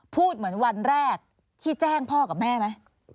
พูดเหมือนวันแรกที่แจ้งพ่อกับแม่ไหม